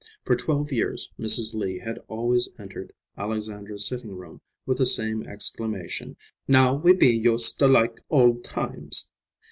For twelve years Mrs. Lee had always entered Alexandra's sitting room with the same exclamation, "Now we be yust a like old times!"